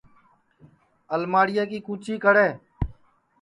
الماڑیا کی کُچی کڑے